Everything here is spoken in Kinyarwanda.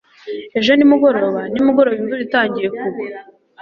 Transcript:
ejo nimugoroba nimugoroba imvura itangiye kugwa